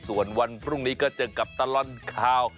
ส่วนวันพรุ่งนี้ก็เจอกับตลอดข่าว